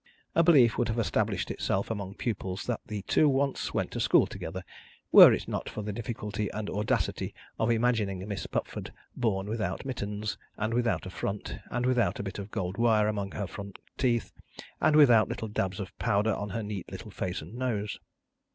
A belief would have established itself among pupils that the two once went to school together, were it not for the difficulty and audacity of imagining Miss Pupford born without mittens, and without a front, and without a bit of gold wire among her front teeth, and without little dabs of powder on her neat little face and nose.